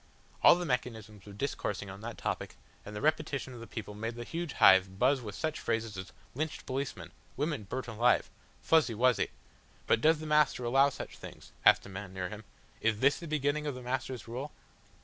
All the mechanisms were discoursing upon that topic, and the repetition of the people made the huge hive buzz with such phrases as "Lynched policemen," "Women burnt alive," "Fuzzy Wuzzy." "But does the Master allow such things?" asked a man near him. "Is this the beginning of the Master's rule?"